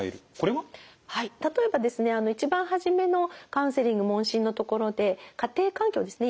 はい例えばですね一番初めのカウンセリング問診のところで家庭環境ですね